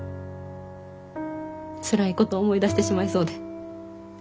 つらいこと思い出してしまいそうで。